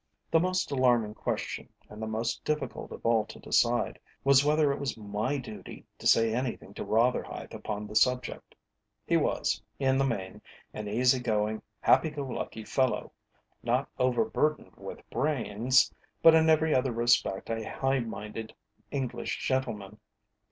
The most alarming question, and the most difficult of all to decide, was whether it was my duty to say anything to Rotherhithe upon the subject. He was, in the main, an easy going, happy go lucky fellow, not overburdened with brains, but in every other respect a high minded English gentleman.